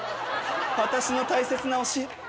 私の大切な推し。